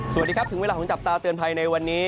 สวัสดีครับถึงเวลาของจับตาเตือนภัยในวันนี้